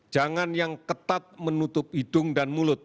jangan yang ketat menutup hidung dan mulut